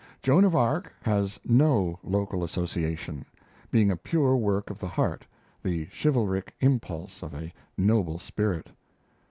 'Joan of Arc' has no local association, being a pure work of the heart, the chivalric impulse of a noble spirit.